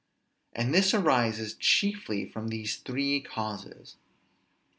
And this arises chiefly from these three causes.